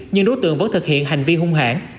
nhưng đối tượng vẫn thực hiện hành vi hung hãn